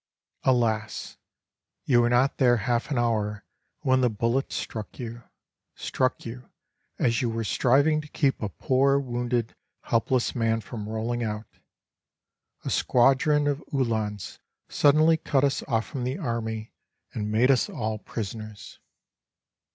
"Alas! you were not there half an hour when the bullet struck you struck you as you were striving to keep a poor, wounded, helpless man from rolling out. A squadron of Uhlans suddenly cut us off from the army and made us all prisoners.